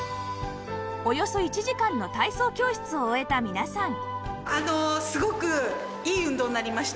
およそ１時間の体操教室を終えた皆さん